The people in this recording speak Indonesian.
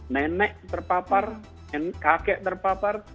nenek terpapar kakek terpapar